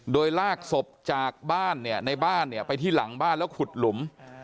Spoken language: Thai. โดยลากศพจากบ้านเนี่ยในบ้านเนี่ยไปที่หลังบ้านแล้วขุดหลุม